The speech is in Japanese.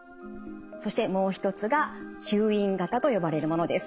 そしてもう一つが吸引型と呼ばれるものです。